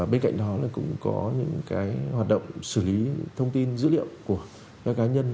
bên cạnh đó cũng có những hoạt động xử lý thông tin dữ liệu của các cá nhân